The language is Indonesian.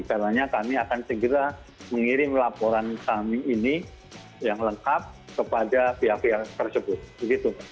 karena kami akan segera mengirim laporan kami ini yang lengkap kepada pihak pihak tersebut begitu